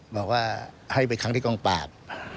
บอกว่าให้ไปขังที่กล้องปาก